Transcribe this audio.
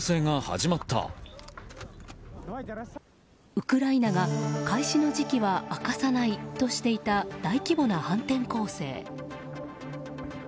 ウクライナが、開始の時期は明かさないとしていた大規模な反転攻勢。